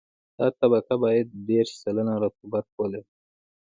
دا طبقه باید دېرش سلنه رطوبت ولري